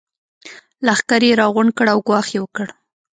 لښکر يې راغونډ کړ او ګواښ يې وکړ.